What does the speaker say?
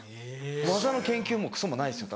技の研究もクソもないですよ